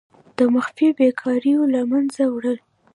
د مخفي بیکاریو له منځه وړل.